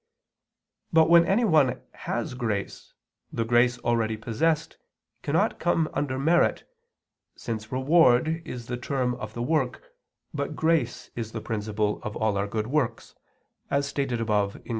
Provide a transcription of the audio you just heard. But when anyone has grace, the grace already possessed cannot come under merit, since reward is the term of the work, but grace is the principle of all our good works, as stated above (Q.